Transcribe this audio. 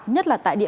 nhất là tại địa bàn